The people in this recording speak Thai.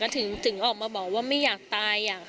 ก็ถึงออกมาบอกว่าไม่อยากตายอย่าง